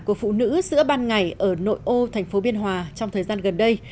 của phụ nữ giữa ban ngày ở nội ô tp biên hòa trong thời gian gần đây